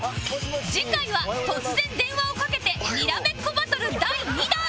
次回は突然電話をかけてにらめっこバトル第２弾